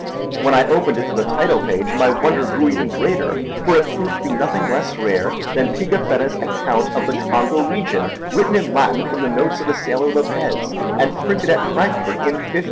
When I opened it to the title page my wonder grew even greater, for it proved to be nothing less rare than Pigafetta's account of the Congo region, written in Latin from the notes of the sailor Lopez and printed at Frankfort in 1598.